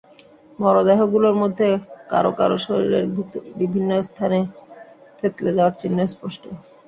মরদেহগুলোর মধ্যে কারও কারও শরীরের বিভিন্ন স্থানে থেঁতলে যাওয়ার চিহ্ন স্পষ্ট।